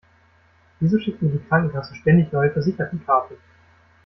Wieso schickt mir die Krankenkasse ständig neue Versichertenkarten?